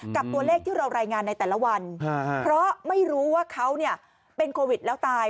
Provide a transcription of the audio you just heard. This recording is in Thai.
กับตัวเลขที่เรารายงานในแต่ละวันเพราะไม่รู้ว่าเขาเป็นโควิดแล้วตาย